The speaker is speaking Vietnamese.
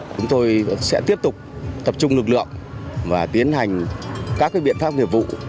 chúng tôi sẽ tiếp tục tập trung lực lượng và tiến hành các biện pháp nghiệp vụ